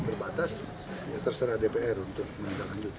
karena revisi sangat terbatas ya terserah dpr untuk menindaklanjuti